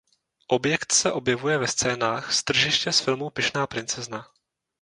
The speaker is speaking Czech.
Objekt se objevuje ve scénách z tržiště z filmu Pyšná princezna.